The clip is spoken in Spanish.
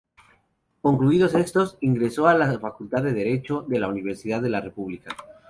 Concluidos estos, ingresó a la Facultad de Derecho, de la Universidad de la República.